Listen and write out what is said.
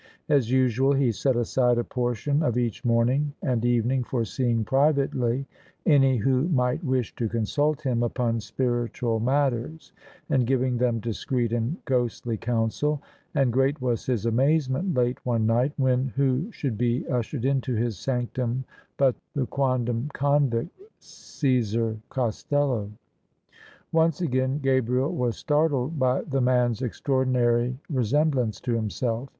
As usual he set aside a portion of each morning and evening for seeing privately any who might wish to consult him upon spiritual matters, and giving them discreet and ghostly counsel: and great was his amazement late one night when who should be ushered into his sanctimi but the quondam convict, Caesar Costello ! Once again Gabriel was startled by the man's extraordi nary resemblance to himself.